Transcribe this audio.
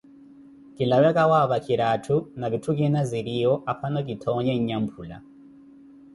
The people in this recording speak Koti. Kilawe kawaapakire atthu, na vitthu kiina ziriiwo, aphano kithoonye nyamphula.